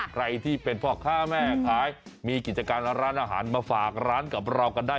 ใครที่เป็นพ่อค้าแม่ขายมีกิจการร้านอาหารมาฝากร้านกับเรากันได้